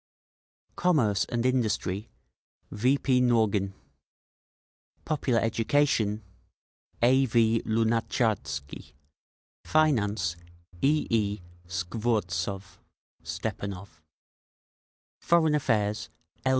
Commerce and Industry: V. P. Nogin Popular Education: A. V. Lunatcharsky Finance: E. E. Skvortsov (Stepanov) Foreign Affairs: L.